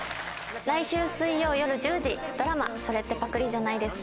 来週水曜夜１０時ドラマ『それってパクリじゃないですか？』